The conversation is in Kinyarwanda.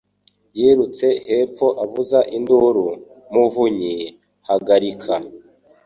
Yirutse hepfo avuza induru, Muvunyi, hagarika!